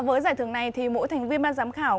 với giải thưởng này thì mỗi thành viên ban giám khảo